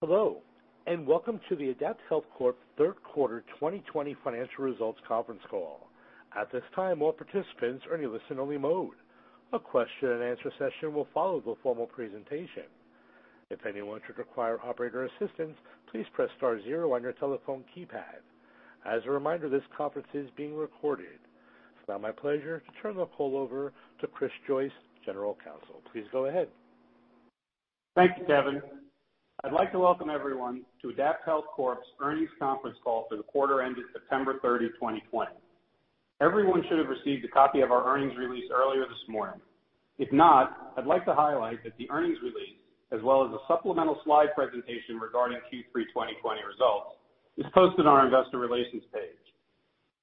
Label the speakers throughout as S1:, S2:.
S1: Hello, welcome to the AdaptHealth Corp third quarter 2020 financial results conference call. At this time, all participants are in a listen-only mode. A question and answer session will follow the formal presentation. If anyone should require operator assistance, please press star zero on your telephone keypad. As a reminder, this conference is being recorded. It's now my pleasure to turn the call over to Christopher Joyce, General Counsel. Please go ahead.
S2: Thank you, Kevin. I'd like to welcome everyone to AdaptHealth Corp.'s earnings conference call for the quarter ended September 30, 2020. Everyone should have received a copy of our earnings release earlier this morning. If not, I'd like to highlight that the earnings release, as well as a supplemental slide presentation regarding Q3 2020 results, is posted on our investor relations page.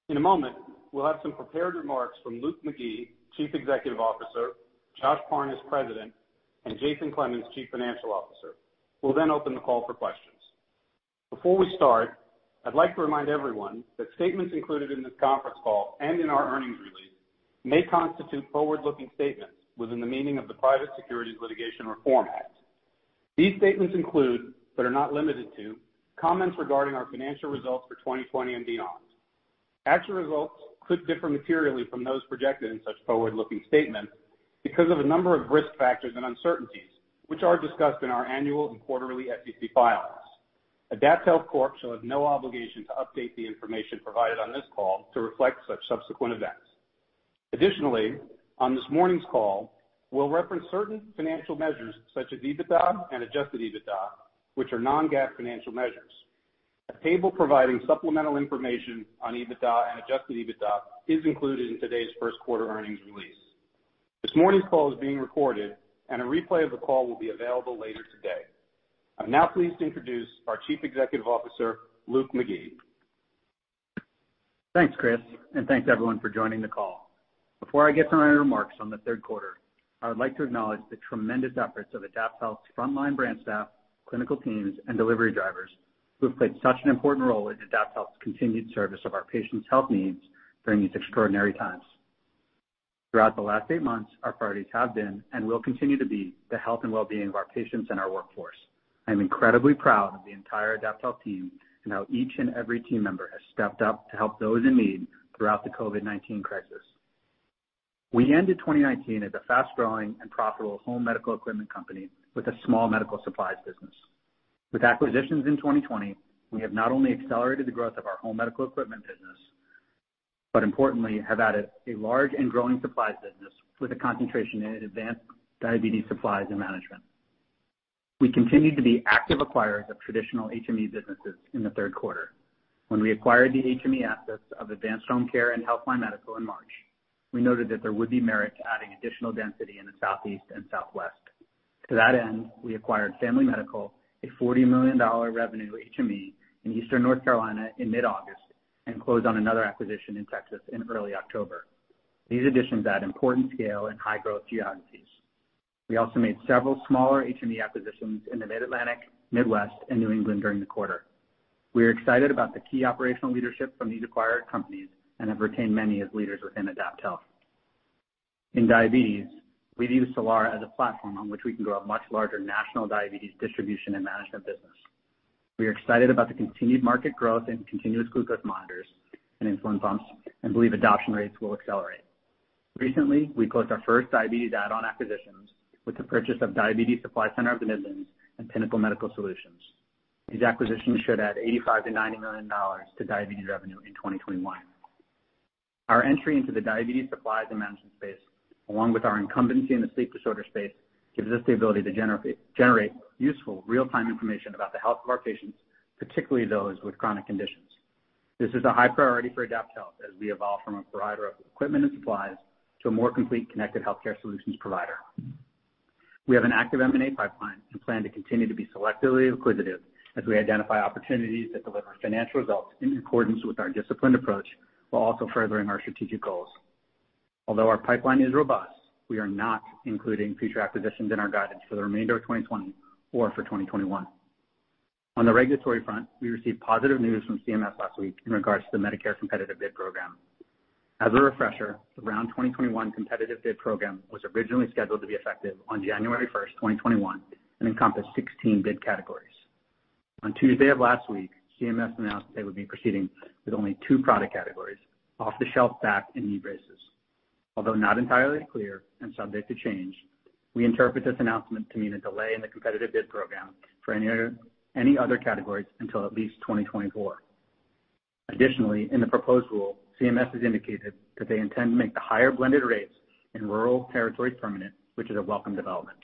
S2: In a moment, we'll have some prepared remarks from Luke McGee, Chief Executive Officer, Josh Parnes, President, and Jason Clemens, Chief Financial Officer, who will then open the call for questions. Before we start, I'd like to remind everyone that statements included in this conference call and in our earnings release may constitute forward-looking statements within the meaning of the Private Securities Litigation Reform Act. These statements include, but are not limited to, comments regarding our financial results for 2020 and beyond. Actual results could differ materially from those projected in such forward-looking statements because of a number of risk factors and uncertainties, which are discussed in our annual and quarterly SEC filings. AdaptHealth Corp. shall have no obligation to update the information provided on this call to reflect such subsequent events. Additionally, on this morning's call, we'll reference certain financial measures such as EBITDA and adjusted EBITDA, which are non-GAAP financial measures. A table providing supplemental information on EBITDA and adjusted EBITDA is included in today's first quarter earnings release. This morning's call is being recorded, and a replay of the call will be available later today. I'm now pleased to introduce our Chief Executive Officer, Luke McGee.
S3: Thanks, Chris, and thanks everyone for joining the call. Before I get to my remarks on the third quarter, I would like to acknowledge the tremendous efforts of AdaptHealth's frontline branch staff, clinical teams, and delivery drivers who have played such an important role in AdaptHealth's continued service of our patients' health needs during these extraordinary times. Throughout the last eight months, our priorities have been, and will continue to be, the health and wellbeing of our patients and our workforce. I'm incredibly proud of the entire AdaptHealth team and how each and every team member has stepped up to help those in need throughout the COVID-19 crisis. We ended 2019 as a fast-growing and profitable home medical equipment company with a small medical supplies business. With acquisitions in 2020, we have not only accelerated the growth of our home medical equipment business, but importantly have added a large and growing supplies business with a concentration in advanced diabetes supplies and management. We continued to be active acquirers of traditional HME businesses in the third quarter. When we acquired the HME assets of Advanced Home Care and Healthline Medical in March, we noted that there would be merit to adding additional density in the Southeast and Southwest. To that end, we acquired Family Medical, a $40 million revenue HME in Eastern North Carolina in mid-August, and closed on another acquisition in Texas in early October. These additions add important scale and high-growth geographies. We also made several smaller HME acquisitions in the Mid-Atlantic, Midwest, and New England during the quarter. We are excited about the key operational leadership from these acquired companies and have retained many as leaders within AdaptHealth. In diabetes, we view Solara as a platform on which we can grow a much larger national diabetes distribution and management business. We are excited about the continued market growth in continuous glucose monitors and insulin pumps and believe adoption rates will accelerate. Recently, we closed our first diabetes add-on acquisitions with the purchase of Diabetes Supply Center of the Midlands and Pinnacle Medical Solutions. These acquisitions should add $85 million-$90 million to diabetes revenue in 2021. Our entry into the diabetes supplies and management space, along with our incumbency in the sleep disorder space, gives us the ability to generate useful real-time information about the health of our patients, particularly those with chronic conditions. This is a high priority for AdaptHealth as we evolve from a provider of equipment and supplies to a more complete connected healthcare solutions provider. We have an active M&A pipeline and plan to continue to be selectively acquisitive as we identify opportunities that deliver financial results in accordance with our disciplined approach, while also furthering our strategic goals. Although our pipeline is robust, we are not including future acquisitions in our guidance for the remainder of 2020 or for 2021. On the regulatory front, we received positive news from CMS last week in regards to the Medicare competitive bid program. As a refresher, the Round 2021 competitive bid program was originally scheduled to be effective on January 1st, 2021, and encompassed 16 bid categories. On Tuesday of last week, CMS announced they would be proceeding with only 2 product categories, off-the-shelf back and knee braces. Although not entirely clear and subject to change, we interpret this announcement to mean a delay in the competitive bid program for any other categories until at least 2024. Additionally, in the proposed rule, CMS has indicated that they intend to make the higher blended rates in rural territories permanent, which is a welcome development.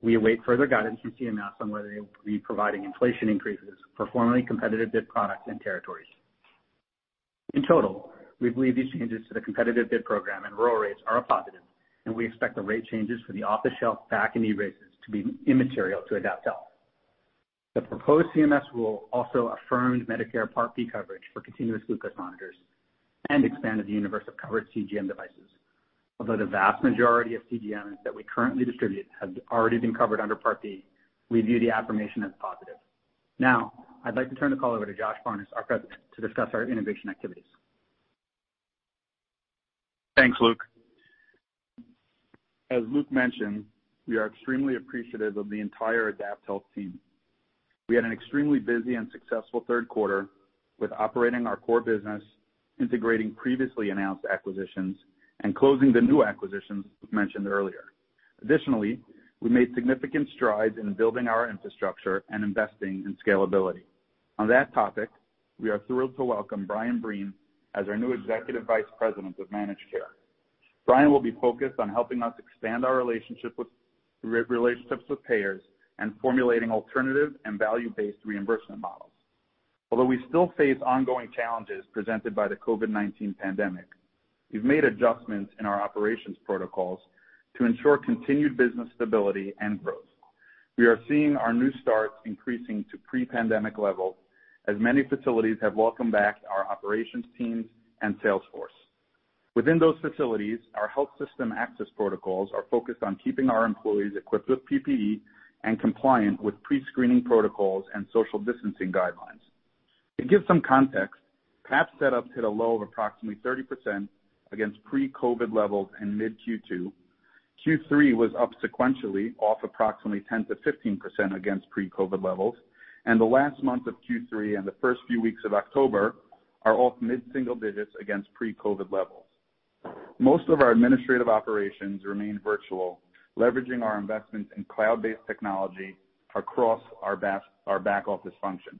S3: We await further guidance from CMS on whether they will be providing inflation increases for formerly competitive bid products and territories. In total, we believe these changes to the competitive bid program and rural rates are a positive, and we expect the rate changes for the off-the-shelf back and knee braces to be immaterial to AdaptHealth. The proposed CMS rule also affirmed Medicare Part B coverage for continuous glucose monitors and expanded the universe of covered CGM devices. Although the vast majority of CGMs that we currently distribute have already been covered under Part B, we view the affirmation as positive. I'd like to turn the call over to Josh Parnes, our President, to discuss our innovation activities.
S4: Thanks, Luke. As Luke mentioned, we are extremely appreciative of the entire AdaptHealth team. We had an extremely busy and successful third quarter with operating our core business, integrating previously announced acquisitions, and closing the new acquisitions Luke mentioned earlier. Additionally, we made significant strides in building our infrastructure and investing in scalability. On that topic, we are thrilled to welcome Bryan Breen as our new Executive Vice President of Managed Care. Bryan will be focused on helping us expand our relationships with payers and formulating alternative and value-based reimbursement models. Although we still face ongoing challenges presented by the COVID-19 pandemic, we've made adjustments in our operations protocols to ensure continued business stability and growth. We are seeing our new starts increasing to pre-pandemic levels as many facilities have welcomed back our operations teams and sales force. Within those facilities, our health system access protocols are focused on keeping our employees equipped with PPE and compliant with pre-screening protocols and social distancing guidelines. To give some context, PAP setup hit a low of approximately 30% against pre-COVID-19 levels in mid Q2. Q3 was up sequentially off approximately 10%-15% against pre-COVID-19 levels, and the last month of Q3 and the first few weeks of October are off mid-single digits against pre-COVID-19 levels. Most of our administrative operations remain virtual, leveraging our investments in cloud-based technology across our back-office functions.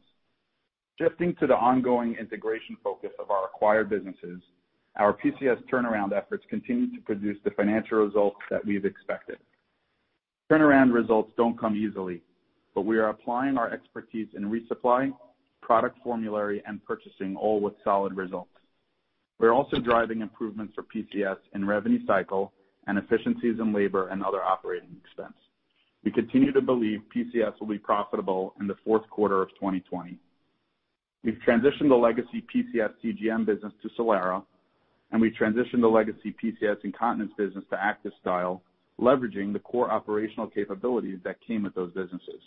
S4: Shifting to the ongoing integration focus of our acquired businesses, our PCS turnaround efforts continue to produce the financial results that we've expected. Turnaround results don't come easily, but we are applying our expertise in resupply, product formulary, and purchasing, all with solid results. We're also driving improvements for PCS in revenue cycle and efficiencies in labor and other operating expense. We continue to believe PCS will be profitable in the fourth quarter of 2020. We've transitioned the legacy PCS CGM business to Solara, and we transitioned the legacy PCS incontinence business to ActivStyle, leveraging the core operational capabilities that came with those businesses.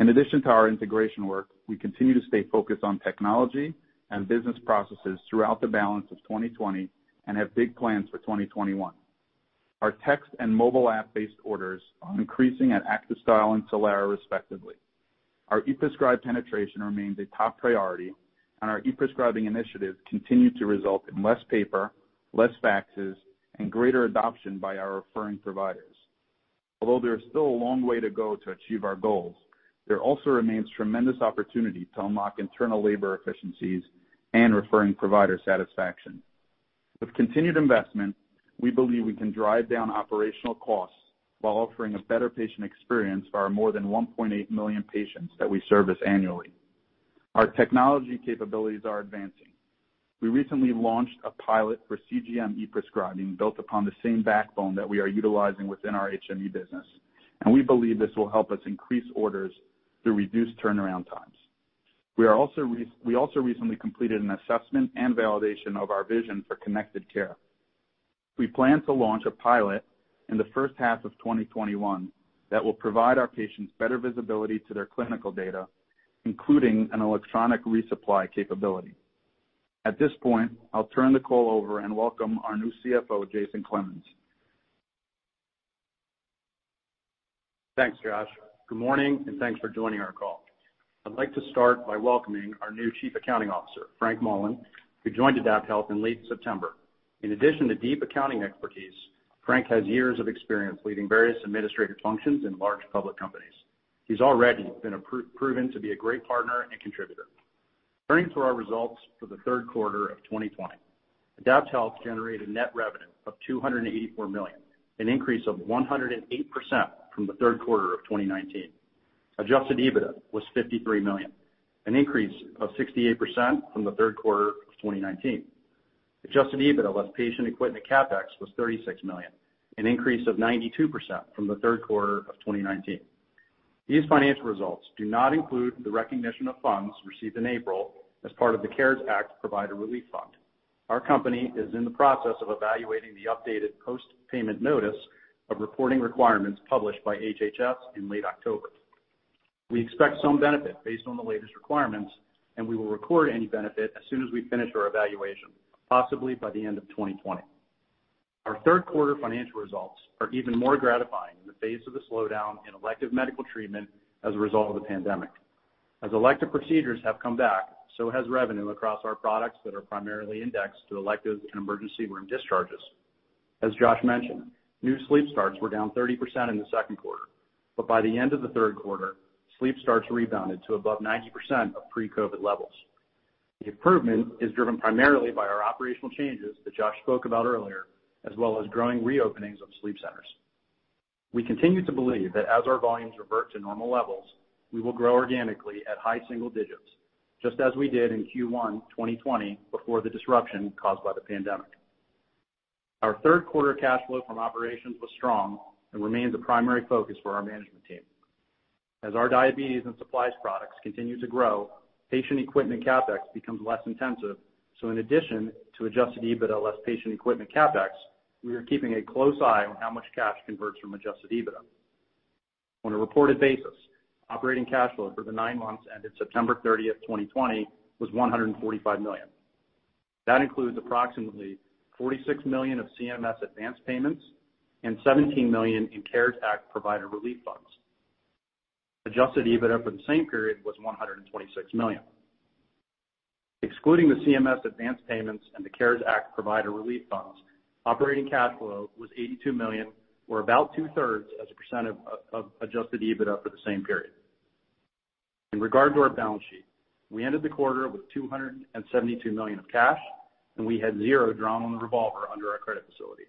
S4: In addition to our integration work, we continue to stay focused on technology and business processes throughout the balance of 2020 and have big plans for 2021. Our text and mobile app-based orders are increasing at ActivStyle and Solara respectively. Our e-prescribe penetration remains a top priority, and our e-prescribing initiatives continue to result in less paper, less faxes, and greater adoption by our referring providers. Although there is still a long way to go to achieve our goals, there also remains tremendous opportunity to unlock internal labor efficiencies and referring provider satisfaction. With continued investment, we believe we can drive down operational costs while offering a better patient experience for our more than 1.8 million patients that we service annually. Our technology capabilities are advancing. We recently launched a pilot for CGM e-prescribing built upon the same backbone that we are utilizing within our HME business, and we believe this will help us increase orders through reduced turnaround times. We also recently completed an assessment and validation of our vision for connected care. We plan to launch a pilot in the first half of 2021 that will provide our patients better visibility to their clinical data, including an electronic resupply capability. At this point, I'll turn the call over and welcome our new CFO, Jason Clemens.
S5: Thanks, Josh. Good morning, and thanks for joining our call. I'd like to start by welcoming our new Chief Accounting Officer, Frank Mullen, who joined AdaptHealth in late September. In addition to deep accounting expertise, Frank has years of experience leading various administrative functions in large public companies. He's already been proven to be a great partner and contributor. Turning to our results for the third quarter of 2020. AdaptHealth generated net revenue of $284 million, an increase of 108% from the third quarter of 2019. Adjusted EBITDA was $53 million, an increase of 68% from the third quarter of 2019. Adjusted EBITDA less patient equipment capex was $36 million, an increase of 92% from the third quarter of 2019. These financial results do not include the recognition of funds received in April as part of the CARES Act Provider Relief Fund. Our company is in the process of evaluating the updated post-payment notice of reporting requirements published by HHS in late October. We expect some benefit based on the latest requirements, and we will record any benefit as soon as we finish our evaluation, possibly by the end of 2020. Our third quarter financial results are even more gratifying in the face of the slowdown in elective medical treatment as a result of the pandemic. As elective procedures have come back, so has revenue across our products that are primarily indexed to elective and emergency room discharges. As Josh mentioned, new sleep starts were down 30% in the second quarter. By the end of the third quarter, sleep starts rebounded to above 90% of pre-COVID levels. The improvement is driven primarily by our operational changes that Josh spoke about earlier, as well as growing reopenings of sleep centers. We continue to believe that as our volumes revert to normal levels, we will grow organically at high single digits, just as we did in Q1 2020 before the disruption caused by the pandemic. Our third quarter cash flow from operations was strong and remains a primary focus for our management team. In addition to adjusted EBITDA less patient equipment CapEx, we are keeping a close eye on how much cash converts from adjusted EBITDA. On a reported basis, operating cash flow for the nine months ended September 30th, 2020 was $145 million. That includes approximately $46 million of CMS advance payments and $17 million in CARES Act Provider Relief Funds. Adjusted EBITDA for the same period was $126 million. Excluding the CMS advance payments and the CARES Act Provider Relief Fund, operating cash flow was $82 million, or about two-thirds as a percent of adjusted EBITDA for the same period. In regard to our balance sheet, we ended the quarter with $272 million of cash, and we had zero drawn on the revolver under our credit facility.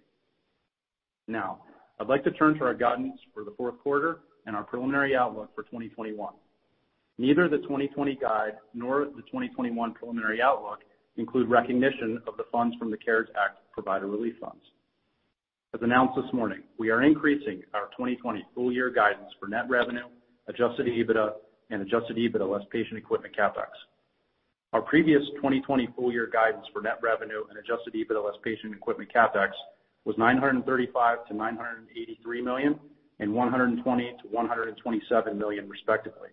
S5: I'd like to turn to our guidance for the fourth quarter and our preliminary outlook for 2021. Neither the 2020 guide nor the 2021 preliminary outlook include recognition of the funds from the CARES Act Provider Relief Fund. As announced this morning, we are increasing our 2020 full year guidance for net revenue, adjusted EBITDA, and adjusted EBITDA less patient equipment CapEx. Our previous 2020 full year guidance for net revenue and adjusted EBITDA less patient equipment CapEx was $935 million-$983 million and $120 million-$127 million respectively,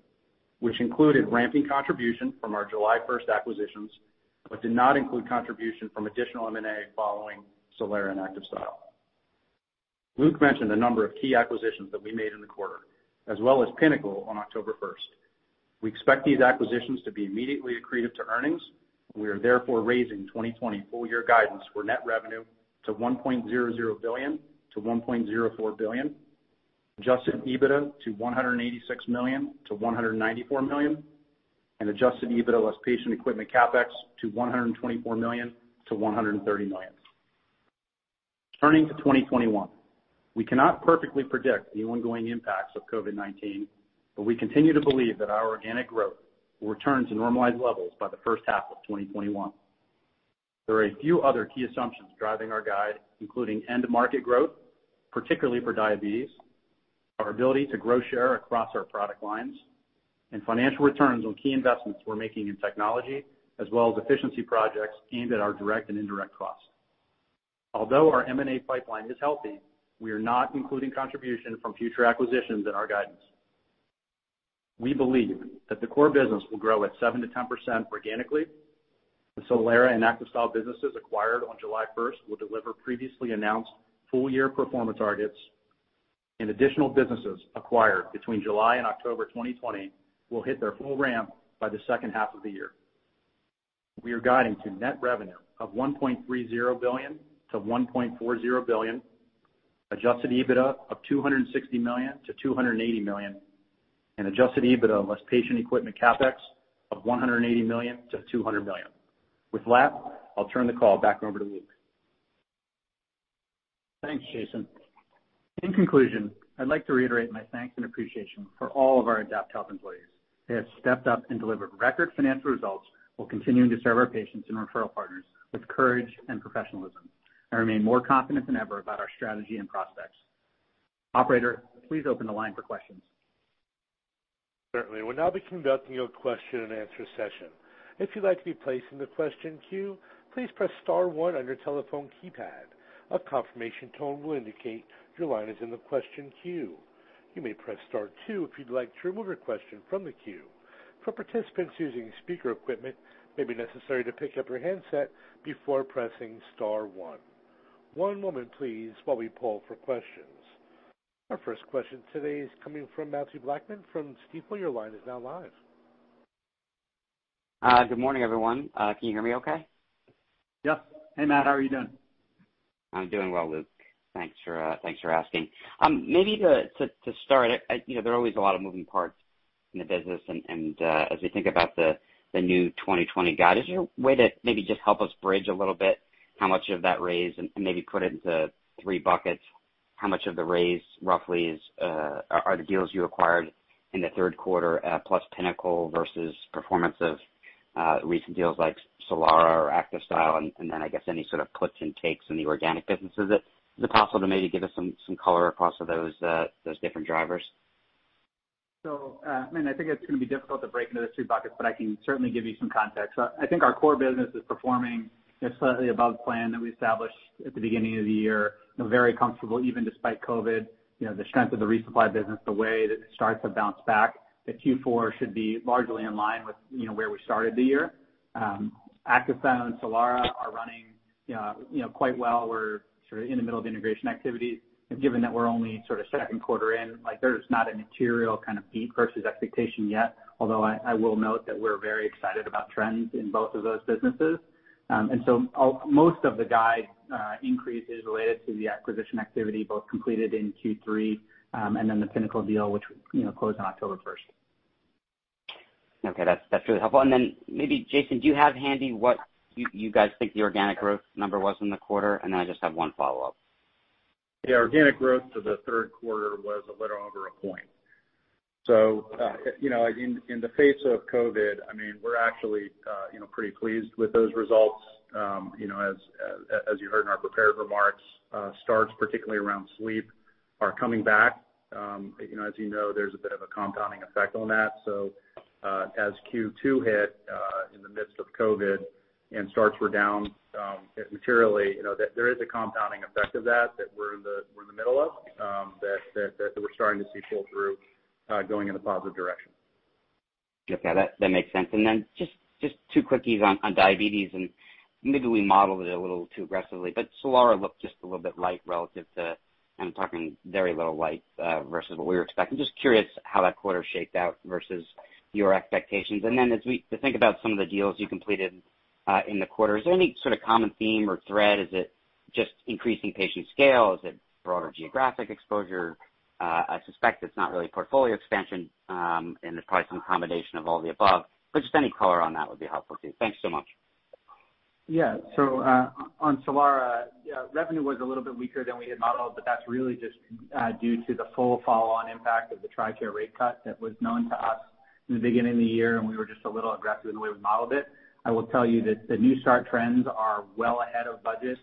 S5: which included ramping contribution from our July 1st acquisitions, did not include contribution from additional M&A following Solara and ActivStyle. Luke mentioned a number of key acquisitions that we made in the quarter, as well as Pinnacle on October 1st. We expect these acquisitions to be immediately accretive to earnings. We are therefore raising 2020 full year guidance for net revenue to $1.00 billion-$1.04 billion, adjusted EBITDA to $186 million-$194 million, and adjusted EBITDA less patient equipment CapEx to $124 million-$130 million. Turning to 2021, we cannot perfectly predict the ongoing impacts of COVID-19, we continue to believe that our organic growth will return to normalized levels by the first half of 2021. There are a few other key assumptions driving our guide, including end market growth, particularly for diabetes, our ability to grow share across our product lines, and financial returns on key investments we're making in technology as well as efficiency projects aimed at our direct and indirect costs. Although our M&A pipeline is healthy, we are not including contribution from future acquisitions in our guidance. We believe that the core business will grow at 7%-10% organically. The Solara and ActivStyle businesses acquired on July 1st will deliver previously announced full year performance targets, and additional businesses acquired between July and October 2020 will hit their full ramp by the second half of the year. We are guiding to net revenue of $1.30 billion-$1.40 billion, adjusted EBITDA of $260 million-$280 million, and adjusted EBITDA less patient equipment CapEx of $180 million-$200 million. With that, I'll turn the call back over to Luke.
S3: Thanks, Jason. In conclusion, I'd like to reiterate my thanks and appreciation for all of our AdaptHealth employees. They have stepped up and delivered record financial results while continuing to serve our patients and referral partners with courage and professionalism. I remain more confident than ever about our strategy and prospects. Operator, please open the line for questions.
S1: We would now be conducting a question and answer session, if you would like to be place in the question queue please press star one on your telephone keypad, a confirmation tone will indicate your line is in the question queue, you may press star two if you would like to remove your question from the queue, for participants using a speaker equipment, it may be necessary to pick up your handset before pressing star one. One moment please while we poll for questions. Our first question today is coming from Mathew Blackman from Stifel. Your line is now live.
S6: Good morning, everyone. Can you hear me okay?
S3: Yeah. Hey, Matt, how are you doing?
S6: I'm doing well, Luke. Thanks for asking. Maybe to start, there are always a lot of moving parts in the business, and as we think about the new 2020 guide, is there a way to maybe just help us bridge a little bit how much of that raise and maybe put it into three buckets? How much of the raise roughly are the deals you acquired in the third quarter plus Pinnacle versus performance of recent deals like Solara or ActivStyle, and then I guess any sort of puts and takes in the organic businesses? Is it possible to maybe give us some color across those different drivers?
S3: I mean, I think it's going to be difficult to break into the three buckets, but I can certainly give you some context. I think our core business is performing slightly above plan that we established at the beginning of the year. Very comfortable, even despite COVID, the strength of the resupply business, the way that starts have bounced back, that Q4 should be largely in line with where we started the year. ActivStyle and Solara are running quite well. We're sort of in the middle of integration activities. Given that we're only second quarter in, there's not a material kind of beat versus expectation yet, although I will note that we're very excited about trends in both of those businesses. Most of the guide increase is related to the acquisition activity both completed in Q3 and then the Pinnacle deal, which closed on October 1st.
S6: Okay, that's really helpful. Then maybe Jason, do you have handy what you guys think the organic growth number was in the quarter? Then I just have one follow-up.
S5: The organic growth to the third quarter was a little over a point. In the face of COVID, I mean, we're actually pretty pleased with those results. As you heard in our prepared remarks, starts particularly around sleep are coming back. As you know, there's a bit of a compounding effect on that. As Q2 hit with COVID and starts were down materially, there is a compounding effect of that we're in the middle of, that we're starting to see pull through going in a positive direction.
S6: Okay. That makes sense. Just two quickies on diabetes, and maybe we modeled it a little too aggressively, but Solara looked just a little bit light, I'm talking very little light, versus what we were expecting. Just curious how that quarter shaped out versus your expectations. As we think about some of the deals you completed in the quarter, is there any sort of common theme or thread? Is it just increasing patient scale? Is it broader geographic exposure? I suspect it's not really portfolio expansion, and it's probably some combination of all the above, but just any color on that would be helpful, too. Thanks so much.
S3: Yeah. On Solara, revenue was a little bit weaker than we had modeled, but that's really just due to the full follow-on impact of the TRICARE rate cut that was known to us in the beginning of the year, and we were just a little aggressive in the way we modeled it. I will tell you that the new start trends are well ahead of budget,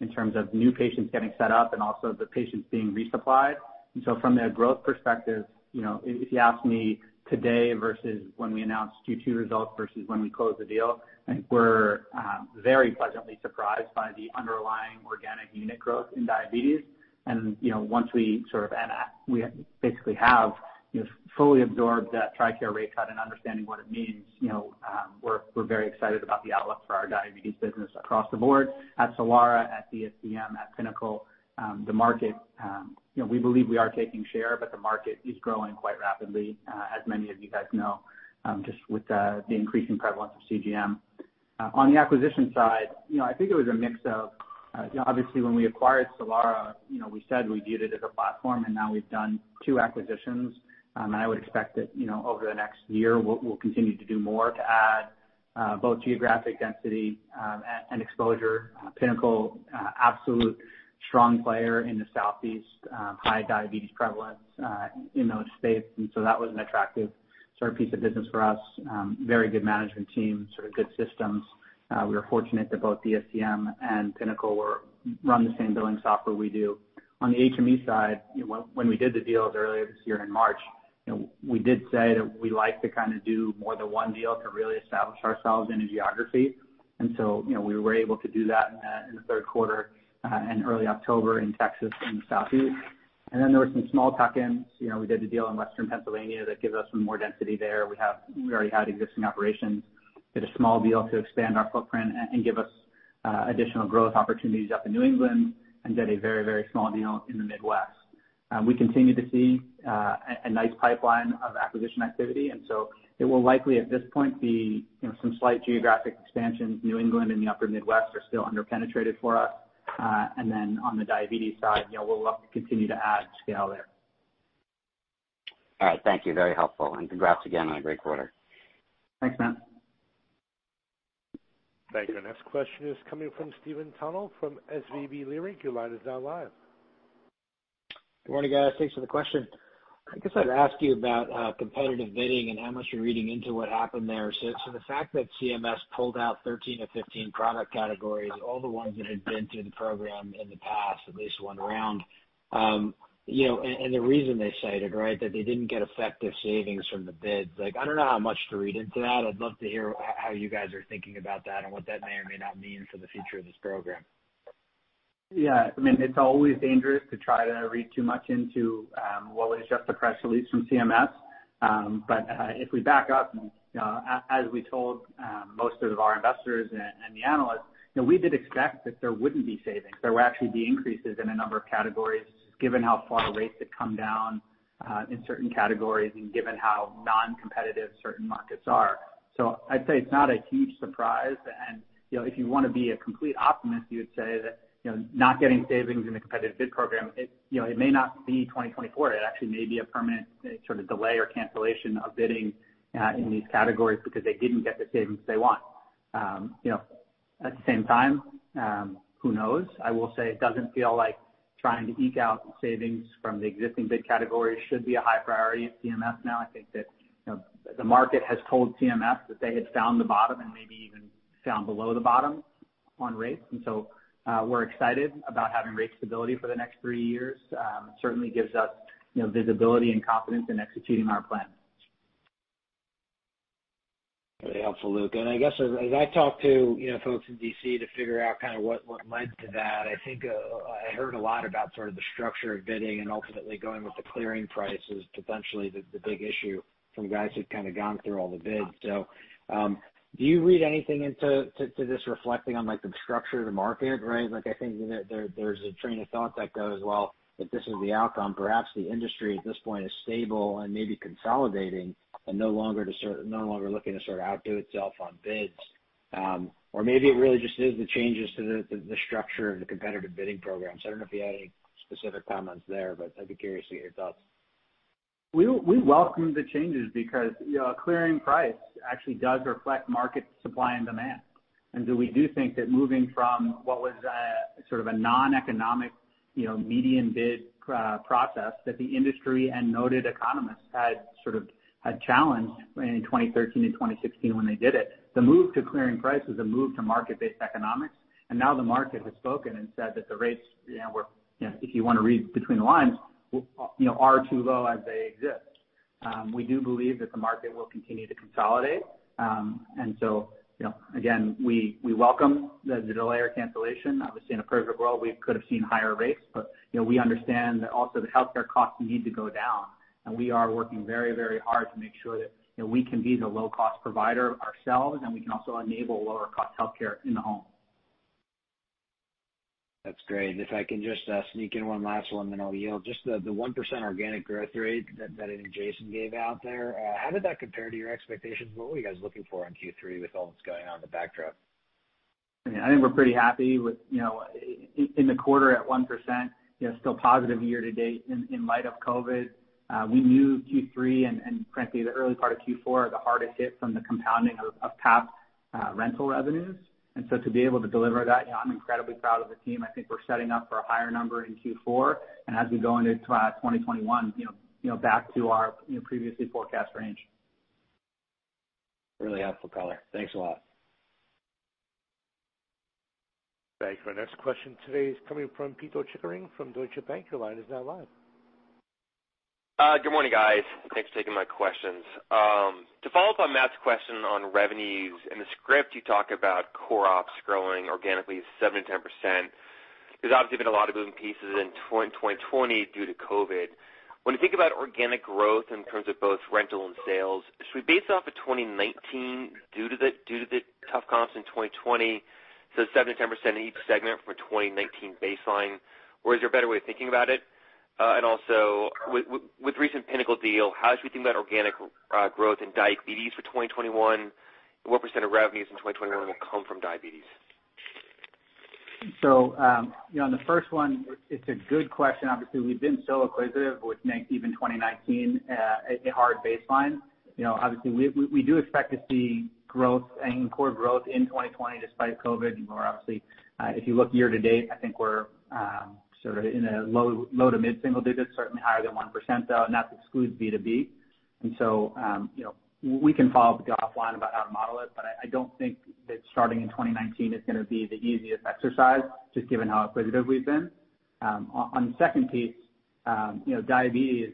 S3: in terms of new patients getting set up and also the patients being resupplied. From a growth perspective, if you ask me today versus when we announced Q2 results versus when we closed the deal, I think we're very pleasantly surprised by the underlying organic unit growth in diabetes. Once we basically have fully absorbed that TRICARE rate cut and understanding what it means, we're very excited about the outlook for our diabetes business across the board at Solara, at DSCM, at Pinnacle. We believe we are taking share, but the market is growing quite rapidly, as many of you guys know, just with the increasing prevalence of CGM. On the acquisition side, I think it was a mix of obviously when we acquired Solara, we said we viewed it as a platform and now we've done two acquisitions. I would expect that over the next year, we'll continue to do more to add both geographic density and exposure. Pinnacle, absolute strong player in the Southeast, high diabetes prevalence in those states, and so that was an attractive piece of business for us. Very good management team, good systems. We were fortunate that both DSCM and Pinnacle run the same billing software we do. On the HME side, when we did the deals earlier this year in March, we did say that we like to do more than one deal to really establish ourselves in a geography. We were able to do that in the third quarter, and early October in Texas and the Southeast. There were some small tuck-ins. We did the deal in Western Pennsylvania that gives us some more density there. We already had existing operations. Did a small deal to expand our footprint and give us additional growth opportunities up in New England and did a very, very small deal in the Midwest. We continue to see a nice pipeline of acquisition activity, it will likely, at this point, be some slight geographic expansion. New England and the upper Midwest are still under-penetrated for us. On the diabetes side, we'll look to continue to add scale there.
S6: All right. Thank you. Very helpful. Congrats again on a great quarter.
S3: Thanks, Matt.
S1: Thank you. Next question is coming from Stephen Tanal from SVB Leerink. Your line is now live.
S7: Good morning, guys. Thanks for the question. I guess I'd ask you about competitive bidding and how much you're reading into what happened there. The fact that CMS pulled out 13-15 product categories, all the ones that had been through the program in the past, at least one round, and the reason they cited, right, that they didn't get effective savings from the bids. I don't know how much to read into that. I'd love to hear how you guys are thinking about that and what that may or may not mean for the future of this program.
S3: It's always dangerous to try to read too much into what was just a press release from CMS. If we back up and as we told most of our investors and the analysts, we did expect that there wouldn't be savings. There would actually be increases in a number of categories given how far rates had come down, in certain categories and given how non-competitive certain markets are. I'd say it's not a huge surprise. If you want to be a complete optimist, you would say that not getting savings in the Competitive Bid Program, it may not be 2024. It actually may be a permanent sort of delay or cancellation of bidding in these categories because they didn't get the savings they want. At the same time, who knows? I will say it doesn't feel like trying to eke out savings from the existing bid categories should be a high priority at CMS now. I think that the market has told CMS that they had found the bottom and maybe even found below the bottom on rates. We're excited about having rate stability for the next three years. It certainly gives us visibility and confidence in executing our plan.
S7: Very helpful, Luke. I guess as I talk to folks in D.C. to figure out what led to that, I think I heard a lot about the structure of bidding and ultimately going with the clearing price is potentially the big issue from guys who've gone through all the bids. Do you read anything into this reflecting on the structure of the market, right? I think there's a train of thought that goes, well, if this is the outcome, perhaps the industry at this point is stable and maybe consolidating and no longer looking to sort of outdo itself on bids. Maybe it really just is the changes to the structure of the Competitive Bidding Programs. I don't know if you have any specific comments there, but I'd be curious to hear your thoughts.
S3: We welcome the changes because a clearing price actually does reflect market supply and demand. We do think that moving from what was a non-economic median bid process that the industry and noted economists had challenged in 2013 and 2016 when they did it. The move to clearing price is a move to market-based economics, and now the market has spoken and said that the rates, if you want to read between the lines, are too low as they exist. Again, we welcome the delay or cancellation. Obviously, in a perfect world, we could've seen higher rates, but we understand that also the healthcare costs need to go down, and we are working very hard to make sure that we can be the low-cost provider ourselves, and we can also enable lower-cost healthcare in the home.
S7: That's great. If I can just sneak in one last one, then I'll yield. The 1% organic growth rate that I think Jason gave out there, how did that compare to your expectations? What were you guys looking for in Q3 with all that's going on in the backdrop?
S3: I think we're pretty happy with in the quarter at 1%, still positive year to date in light of COVID-19. We knew Q3 and frankly, the early part of Q4 are the hardest hit from the compounding of tapped rental revenues. To be able to deliver that, I'm incredibly proud of the team. I think we're setting up for a higher number in Q4, and as we go into 2021, back to our previously forecast range.
S7: Really helpful color. Thanks a lot.
S1: Thank you. Our next question today is coming from Pito Chickering from Deutsche Bank. Your line is now live.
S8: Good morning, guys. Thanks for taking my questions. To follow up on Mathew's question on revenues, in the script, you talk about core ops growing organically 7%-10%, because obviously been a lot of moving pieces in 2020 due to COVID-19. When you think about organic growth in terms of both rental and sales, should we base it off of 2019 due to the tough comps in 2020, so 7%-10% in each segment from a 2019 baseline, or is there a better way of thinking about it? Also with recent Pinnacle deal, how should we think about organic growth in diabetes for 2021? What % of revenues in 2021 will come from diabetes?
S3: On the first one, it's a good question. We've been so acquisitive with even 2019 a hard baseline. We do expect to see growth and core growth in 2020 despite COVID. We're obviously, if you look year to date, I think we're sort of in a low to mid single digits, certainly higher than 1%, though, and that excludes B2B. We can follow up with you offline about how to model it, but I don't think that starting in 2019 is going to be the easiest exercise, just given how acquisitive we've been. On the second piece, diabetes,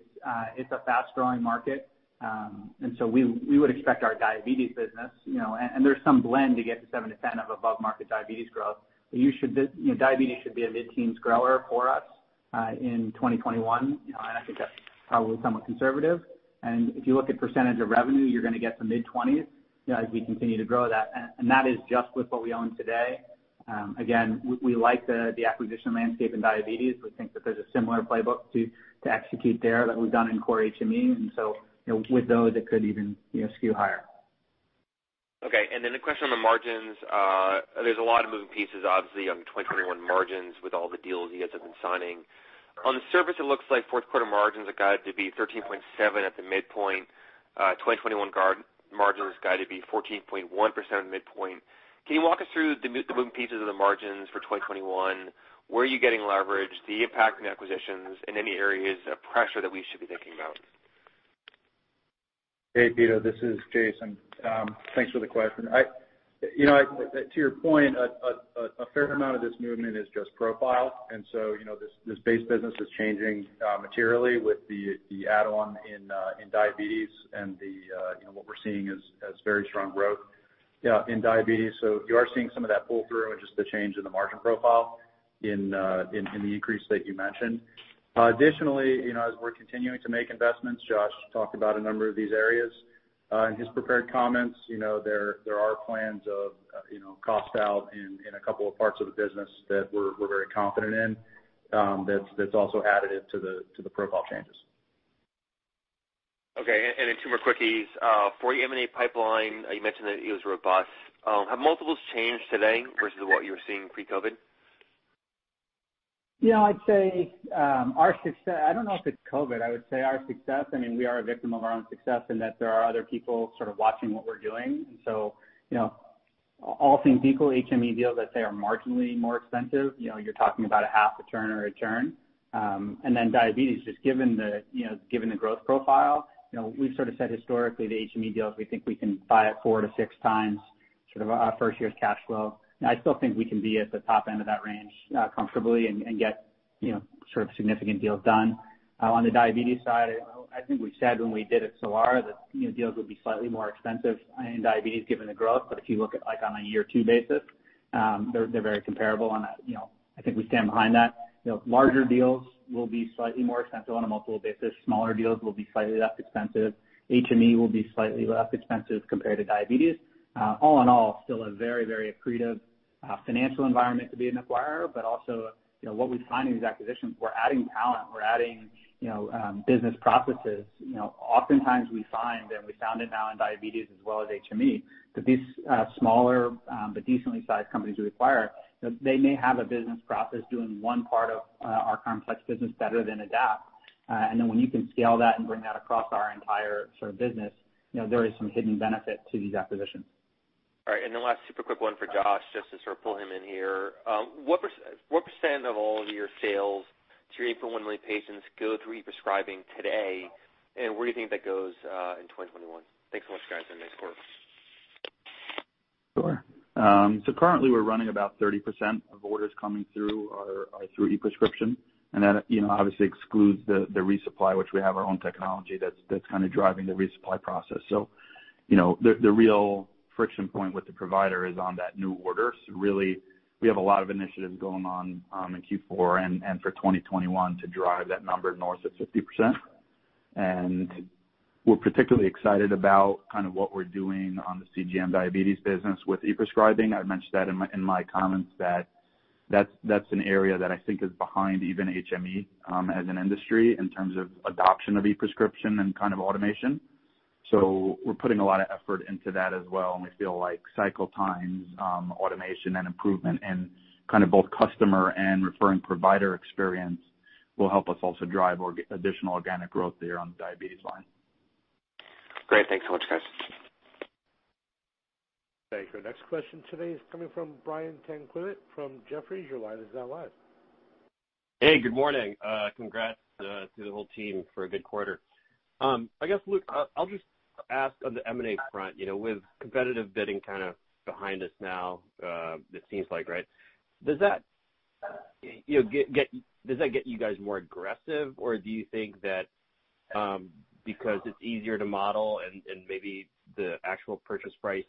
S3: it's a fast-growing market. We would expect our diabetes business, and there's some blend to get to 7%-10% of above-market diabetes growth. Diabetes should be a mid-teens grower for us, in 2021. I think that's probably somewhat conservative. If you look at percentage of revenue, you're going to get the mid-20s as we continue to grow that. That is just with what we own today. Again, we like the acquisition landscape in diabetes. We think that there's a similar playbook to execute there that we've done in core HME, with those, it could even skew higher.
S8: Okay, a question on the margins. There's a lot of moving pieces, obviously, on 2021 margins with all the deals you guys have been signing. On the surface, it looks like fourth quarter margins are guided to be 13.7 at the midpoint. 2021 margins guided to be 14.1% at midpoint. Can you walk us through the moving pieces of the margins for 2021? Where are you getting leverage? The impact from the acquisitions, and any areas of pressure that we should be thinking about?
S5: Hey, Pito, this is Jason. Thanks for the question. To your point, a fair amount of this movement is just profile. This base business is changing materially with the add-on in diabetes and what we're seeing as very strong growth in diabetes. So you are seeing some of that pull-through and just the change in the margin profile in the increase that you mentioned. Additionally, as we're continuing to make investments, Josh talked about a number of these areas in his prepared comments. There are plans of cost out in a couple of parts of the business that we're very confident in that's also additive to the profile changes.
S8: Okay, and then two more quickies. For your M&A pipeline, you mentioned that it was robust. Have multiples changed today versus what you were seeing pre-COVID?
S3: Yeah, I'd say, I don't know if it's COVID. I would say our success, I mean, we are a victim of our own success in that there are other people sort of watching what we're doing. All things equal, HME deals, I'd say, are marginally more expensive. You're talking about a half a turn or a turn. Diabetes, just given the growth profile, we've sort of said historically, the HME deals, we think we can buy at four to six times sort of our first year's cash flow. I still think we can be at the top end of that range comfortably and get sort of significant deals done. On the diabetes side, I think we've said when we did Solara that deals would be slightly more expensive in diabetes given the growth. If you look at on a year two basis, they're very comparable, and I think we stand behind that. Larger deals will be slightly more expensive on a multiple basis. Smaller deals will be slightly less expensive. HME will be slightly less expensive compared to diabetes. All in all, still a very accretive financial environment to be an acquirer, also, what we find in these acquisitions, we're adding talent, we're adding business processes. Oftentimes we find, and we found it now in diabetes as well as HME, that these smaller but decently sized companies we acquire, they may have a business process doing one part of our complex business better than Adapt. When you can scale that and bring that across our entire sort of business, there is some hidden benefit to these acquisitions.
S8: All right, last super quick one for Josh, just to sort of pull him in here. What % of all of your sales to your 8.1 million patients go through e-prescribing today? Where do you think that goes in 2021? Thanks so much, guys, and nice quarter.
S4: Sure. Currently we're running about 30% of orders coming through are through e-prescription, and that obviously excludes the resupply, which we have our own technology that's kind of driving the resupply process. The real friction point with the provider is on that new order. Really, we have a lot of initiatives going on in Q4 and for 2021 to drive that number north of 50%. We're particularly excited about what we're doing on the CGM diabetes business with e-prescribing. I mentioned that in my comments that that's an area that I think is behind even HME as an industry in terms of adoption of e-prescription and automation. We're putting a lot of effort into that as well, and we feel like cycle times, automation and improvement in both customer and referring provider experience will help us also drive additional organic growth there on the diabetes line.
S8: Great. Thanks so much, guys.
S1: Thank you. Our next question today is coming from Brian Tanquilut from Jefferies. Your line is now live.
S9: Hey, good morning. Congrats to the whole team for a good quarter. I guess, Luke, I'll just ask on the M&A front. With Competitive Bidding kind of behind us now, it seems like, right? Does that get you guys more aggressive, or do you think that because it's easier to model and maybe the actual purchase price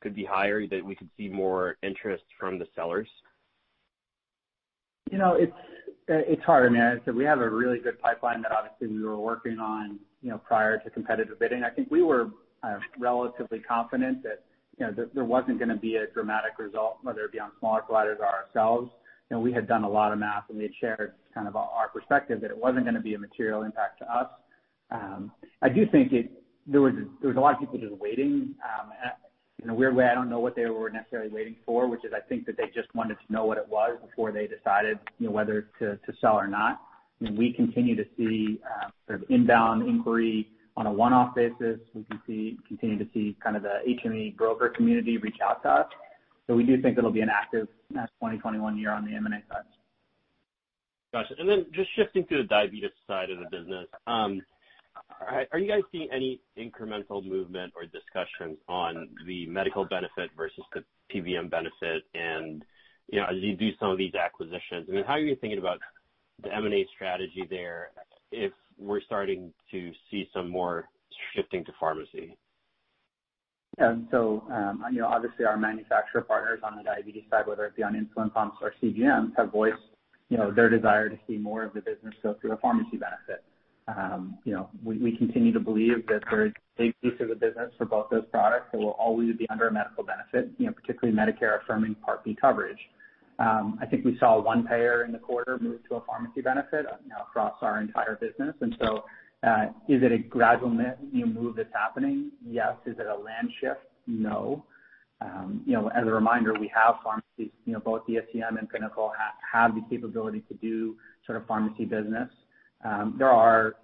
S9: could be higher, that we could see more interest from the sellers?
S3: It's hard, man. We have a really good pipeline that obviously we were working on prior to Competitive Bidding. I think we were relatively confident that there wasn't going to be a dramatic result, whether it be on smaller providers or ourselves. We had done a lot of math, and we had shared kind of our perspective that it wasn't going to be a material impact to us. I do think there was a lot of people just waiting. In a weird way, I don't know what they were necessarily waiting for, which is, I think that they just wanted to know what it was before they decided whether to sell or not. We continue to see sort of inbound inquiry on a one-off basis. We continue to see the HME broker community reach out to us. We do think it'll be an active 2021 year on the M&A side.
S9: Got you. Just shifting to the diabetes side of the business. Are you guys seeing any incremental movement or discussions on the medical benefit versus the PBM benefit? As you do some of these acquisitions, how are you thinking about the M&A strategy there if we're starting to see some more shifting to pharmacy?
S3: Obviously our manufacturer partners on the diabetes side, whether it be on insulin pumps or CGMs, have voiced their desire to see more of the business go through a pharmacy benefit. We continue to believe that there is a big piece of the business for both those products that will always be under a medical benefit, particularly Medicare-affirming Part B coverage. I think we saw one payer in the quarter move to a pharmacy benefit across our entire business. Is it a gradual move that's happening? Yes. Is it a land shift? No. As a reminder, we have pharmacies. Both the DSCM and Solara have the capability to do pharmacy business. There are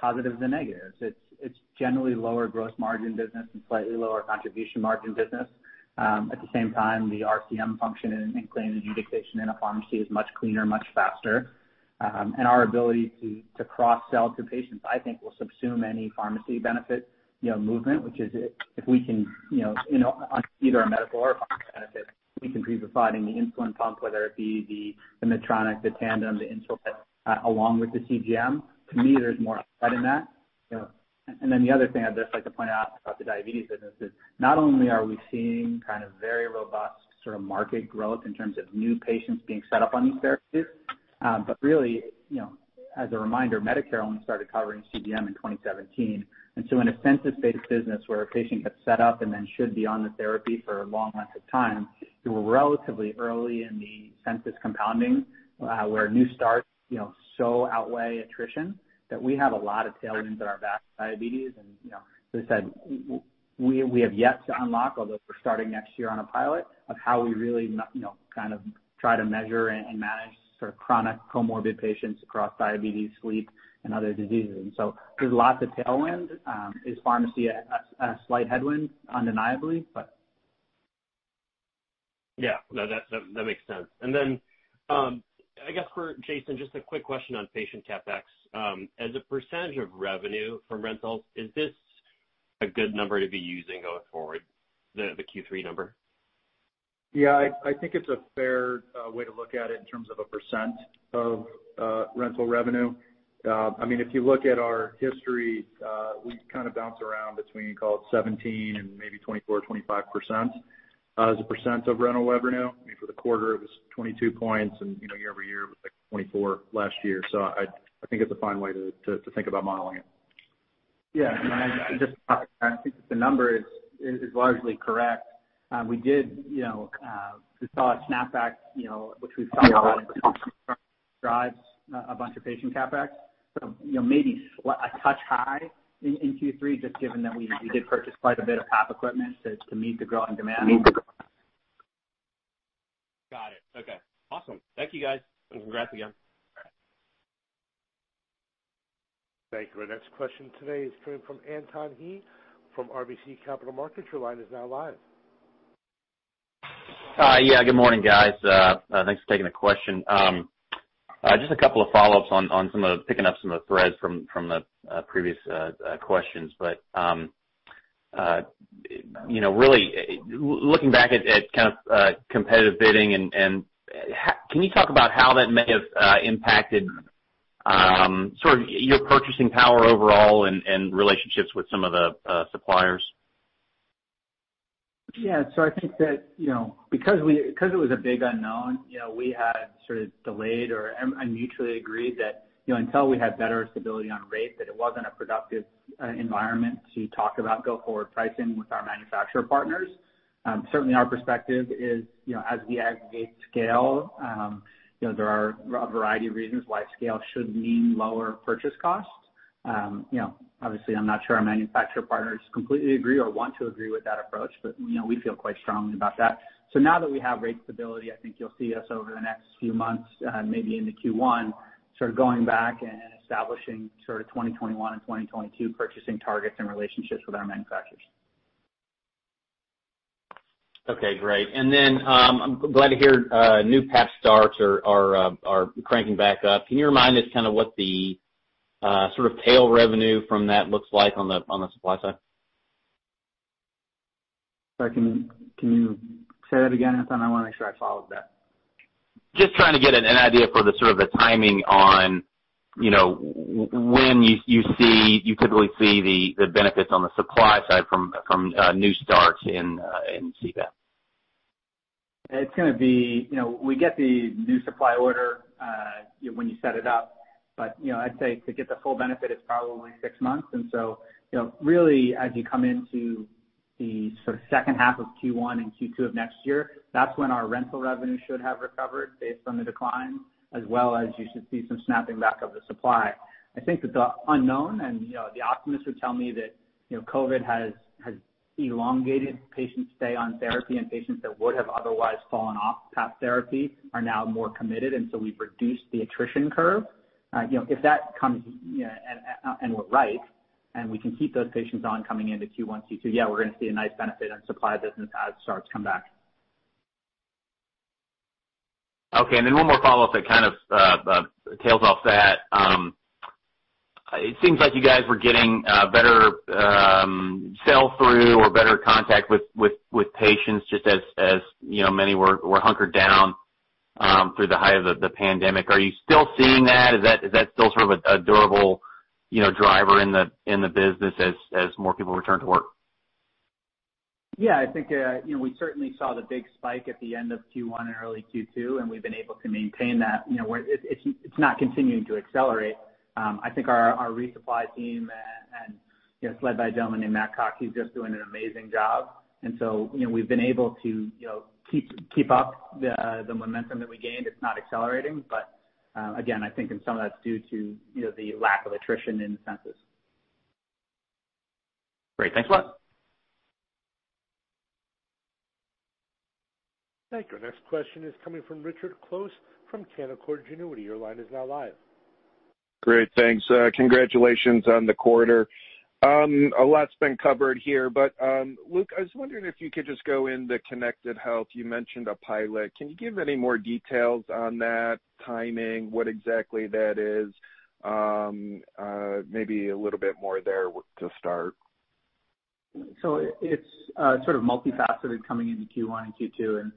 S3: positives and negatives. It's generally lower gross margin business and slightly lower contribution margin business. At the same time, the RCM function in claims adjudication in a pharmacy is much cleaner, much faster. Our ability to cross-sell to patients, I think, will subsume any pharmacy benefit movement, which is if we can, on either a medical or a pharmacy benefit, we can be providing the insulin pump, whether it be the Medtronic, the Tandem, the Insulet, along with the CGM. To me, there's more upside in that. The other thing I'd just like to point out about the diabetes business is not only are we seeing very robust sort of market growth in terms of new patients being set up on these therapies, but really, as a reminder, Medicare only started covering CGM in 2017. In a census-based business where a patient gets set up and then should be on the therapy for long lengths of time, we're relatively early in the census compounding where new starts so outweigh attrition that we have a lot of tailwinds at our back with diabetes. As I said, we have yet to unlock, although we're starting next year on a pilot, of how we really kind of try to measure and manage sort of chronic comorbid patients across diabetes, sleep, and other diseases. There's lots of tailwind. Is pharmacy a slight headwind? Undeniably.
S9: Yeah. No, that makes sense. I guess for Jason, just a quick question on patient CapEx. As a % of revenue from rentals, is this a good number to be using going forward, the Q3 number?
S5: Yeah, I think it's a fair way to look at it in terms of a % of rental revenue. If you look at our history, we kind of bounce around between, call it 17% and maybe 24% or 25% as a % of rental revenue. For the quarter, it was 22 points, and year-over-year, it was like 24% last year. I think it's a fine way to think about modeling it.
S3: I think the number is largely correct. We saw a snapback which we've talked about in terms of drives a bunch of patient CapEx. Maybe a touch high in Q3, just given that we did purchase quite a bit of PAP equipment to meet the growing demand.
S9: Got it. Okay. Awesome. Thank you, guys, and congrats again.
S1: Thank you. Our next question today is coming from Anton Hie from RBC Capital Markets. Your line is now live
S10: Hi. Good morning, guys. Thanks for taking the question. Just a couple of follow-ups on picking up some of the threads from the previous questions. Really, looking back at competitive bidding, can you talk about how that may have impacted your purchasing power overall and relationships with some of the suppliers?
S3: Yeah. I think that, because it was a big unknown, we had delayed or mutually agreed that until we had better stability on rate, that it wasn't a productive environment to talk about go-forward pricing with our manufacturer partners. Certainly, our perspective is, as we aggregate scale, there are a variety of reasons why scale should mean lower purchase costs. Obviously, I'm not sure our manufacturer partners completely agree or want to agree with that approach, but we feel quite strongly about that. Now that we have rate stability, I think you'll see us over the next few months, maybe into Q1, going back and establishing 2021 and 2022 purchasing targets and relationships with our manufacturers.
S10: Okay, great. I'm glad to hear new PAP starts are cranking back up. Can you remind us what the tail revenue from that looks like on the supply side?
S3: Sorry, can you say that again, Anton? I want to make sure I followed that.
S10: Just trying to get an idea for the timing on when you could really see the benefits on the supply side from new starts in CPAP.
S3: We get the new supply order when you set it up. I'd say to get the full benefit, it's probably six months. Really, as you come into the second half of Q1 and Q2 of next year, that's when our rental revenue should have recovered based on the decline, as well as you should see some snapping back of the supply. I think that the unknown, and the optimists would tell me that COVID has elongated patients' stay on therapy, and patients that would have otherwise fallen off PAP therapy are now more committed, and so we've reduced the attrition curve. If that comes and we're right, and we can keep those patients on coming into Q1, Q2, yeah, we're going to see a nice benefit on supply business as starts come back.
S10: Okay. One more follow-up that kind of tails off that. It seems like you guys were getting better sell-through or better contact with patients just as many were hunkered down through the height of the pandemic. Are you still seeing that? Is that still sort of a durable driver in the business as more people return to work?
S3: Yeah, I think we certainly saw the big spike at the end of Q1 and early Q2. We've been able to maintain that. It's not continuing to accelerate. I think our resupply team, it's led by a gentleman named Matthew Koch, he's just doing an amazing job. We've been able to keep up the momentum that we gained. It's not accelerating, again, I think some of that's due to the lack of attrition in the census.
S10: Great. Thanks a lot.
S1: Thank you. Next question is coming from Richard Close from Canaccord Genuity. Your line is now live.
S11: Great. Thanks. Congratulations on the quarter. A lot's been covered here. Luke, I was wondering if you could just go into connected health. You mentioned a pilot. Can you give any more details on that timing, what exactly that is? Maybe a little bit more there to start.
S3: It's sort of multifaceted coming into Q1 and Q2, and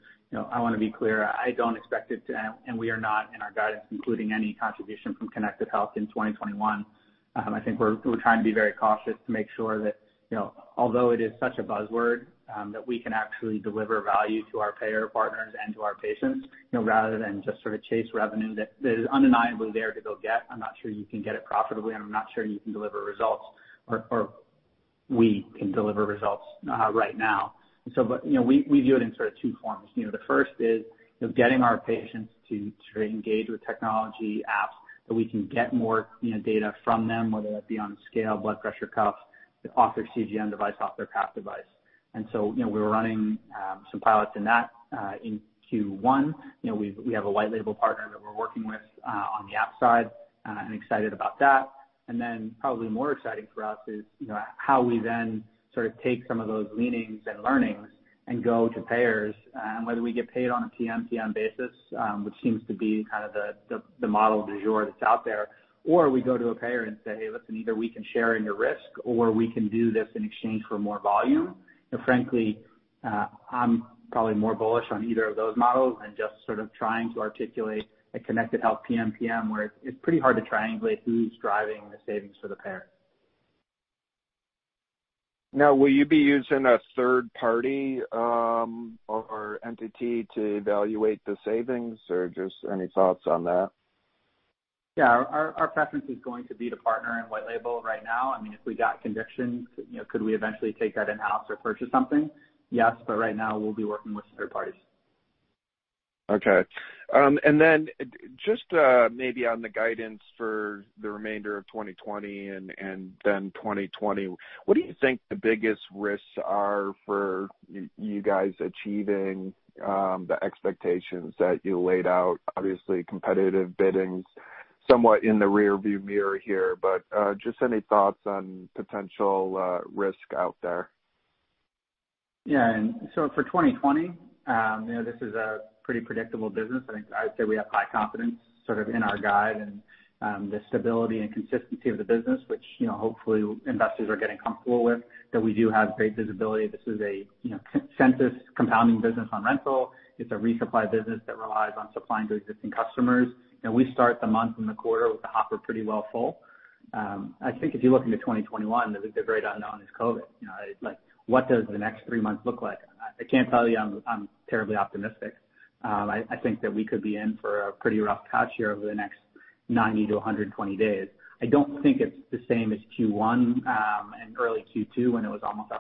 S3: I want to be clear, I don't expect it to, and we are not in our guidance including any contribution from connected health in 2021. I think we're trying to be very cautious to make sure that although it is such a buzzword, that we can actually deliver value to our payer partners and to our patients, rather than just sort of chase revenue that is undeniably there to go get. I'm not sure you can get it profitably, and I'm not sure you can deliver results or we can deliver results right now. We view it in sort of two forms. The first is getting our patients to engage with technology apps that we can get more data from them, whether that be on scale, blood pressure cuff, off their CGM device, off their PAP device. We were running some pilots in that in Q1. We have a white label partner that we're working with on the app side and excited about that. Probably more exciting for us is how we then take some of those leanings and learnings and go to payers, whether we get paid on a PMPM basis, which seems to be kind of the model du jour that's out there, or we go to a payer and say, "Hey, listen, either we can share in your risk, or we can do this in exchange for more volume." Frankly, I'm probably more bullish on either of those models and just sort of trying to articulate a connected health PMPM, where it's pretty hard to triangulate who's driving the savings for the payer.
S11: Now, will you be using a third party or entity to evaluate the savings, or just any thoughts on that?
S3: Our preference is going to be to partner in white label right now. If we got conviction, could we eventually take that in-house or purchase something? Yes, but right now we'll be working with third parties.
S11: Okay. Just maybe on the guidance for the remainder of 2020 and then 2021, what do you think the biggest risks are for you guys achieving the expectations that you laid out? Obviously, Competitive Bidding somewhat in the rear view mirror here, but just any thoughts on potential risk out there?
S3: For 2020, this is a pretty predictable business. I think I would say we have high confidence sort of in our guide and the stability and consistency of the business, which hopefully investors are getting comfortable with, that we do have great visibility. This is a census compounding business on rental. It's a resupply business that relies on supplying to existing customers. We start the month and the quarter with the hopper pretty well full. If you look into 2021, the great unknown is COVID. What does the next three months look like? I can't tell you I'm terribly optimistic. We could be in for a pretty rough patch here over the next 90-120 days. I don't think it's the same as Q1, and early Q2 when it was almost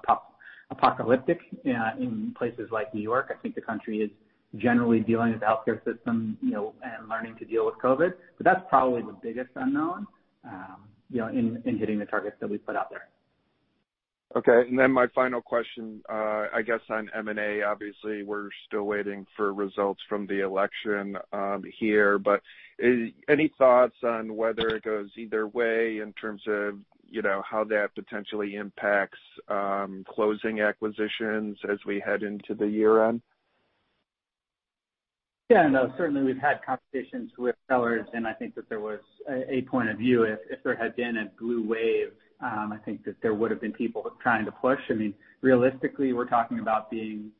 S3: apocalyptic in places like New York. I think the country is generally dealing with the healthcare system, and learning to deal with COVID. That's probably the biggest unknown, in hitting the targets that we put out there.
S11: Okay, my final question, I guess on M&A, obviously, we're still waiting for results from the election here, but any thoughts on whether it goes either way in terms of how that potentially impacts closing acquisitions as we head into the year-end?
S3: Certainly we've had conversations with sellers. I think that there was a point of view, if there had been a blue wave, I think that there would've been people trying to push. Realistically, we're talking about being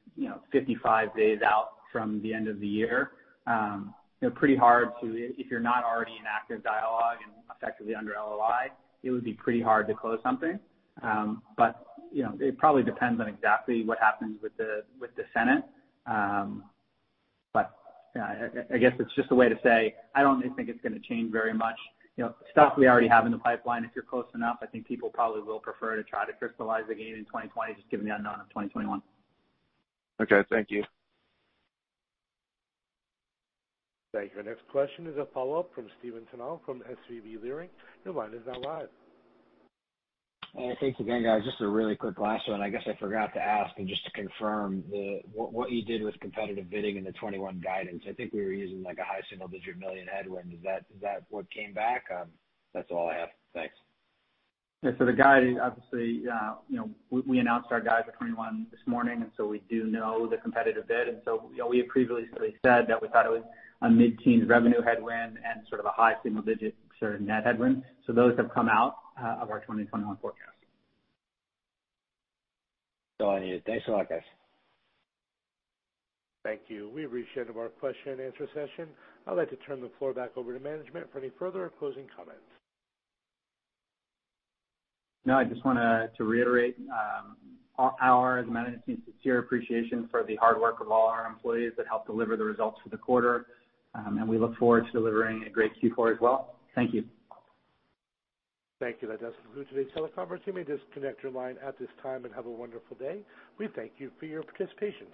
S3: 55 days out from the end of the year. Pretty hard if you're not already in active dialogue and effectively under LOI, it would be pretty hard to close something. It probably depends on exactly what happens with the Senate. I guess it's just a way to say I don't think it's gonna change very much. Stuff we already have in the pipeline, if you're close enough, I think people probably will prefer to try to crystallize a gain in 2020, just given the unknown of 2021.
S11: Okay. Thank you.
S1: Thank you. Next question is a follow-up from Stephen Tanal from SVB Leerink. Your line is now live.
S7: Thanks again, guys. Just a really quick last one. I guess I forgot to ask and just to confirm what you did with competitive bidding in the 2021 guidance. I think we were using like a high single-digit million headwind. Is that what came back? That's all I have. Thanks.
S3: The guide, obviously, we announced our guide for 2021 this morning. We do know the competitive bid. We had previously said that we thought it was a mid-teen revenue headwind and sort of a high single-digit sort of net headwind. Those have come out of our 2021 forecast.
S7: All I needed. Thanks a lot, guys.
S1: Thank you. We've reached the end of our question and answer session. I'd like to turn the floor back over to management for any further closing comments.
S3: No, I just want to reiterate our, as management, sincere appreciation for the hard work of all our employees that helped deliver the results for the quarter. We look forward to delivering a great Q4 as well. Thank you.
S1: Thank you. That does conclude today's teleconference. You may disconnect your line at this time, and have a wonderful day. We thank you for your participation.